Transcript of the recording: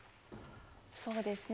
そうですね。